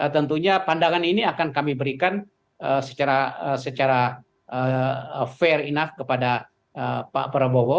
tentunya pandangan ini akan kami berikan secara fair enough kepada pak prabowo